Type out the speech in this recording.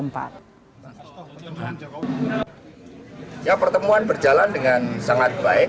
pertemuan berjalan dengan sangat baik